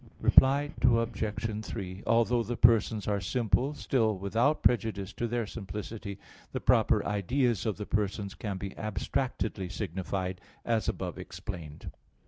Reply Obj. 3: Although the persons are simple, still without prejudice to their simplicity, the proper ideas of the persons can be abstractedly signified, as above explained.